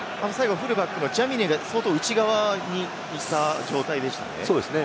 フルバックのジャミネが内側にいった状態でしたよね。